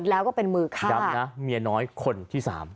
แล้วก็เป็นมือขาย้ำนะเมียน้อยคนที่สาม